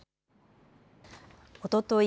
おととい